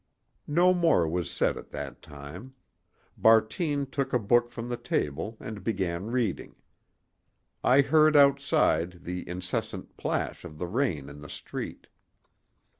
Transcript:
No more was said at that time. Bartine took a book from the table and began reading. I heard outside the incessant plash of the rain in the street.